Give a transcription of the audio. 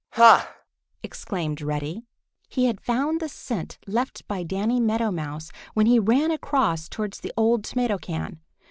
"Ha!" exclaimed Reddy. He had found the scent left by Danny Meadow Mouse when he ran across towards the old tomato can.